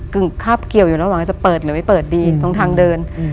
คาบเกี่ยวอยู่ระหว่างจะเปิดหรือไม่เปิดดีตรงทางเดินอืม